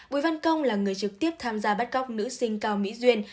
bùi văn công là người trực tiếp tham gia bắt cóc nữ sinh cao mỹ duyên